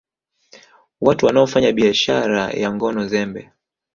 Watu wanaofanya biashara ya ngono zembe